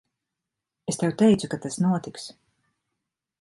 Es tev teicu, ka tas notiks.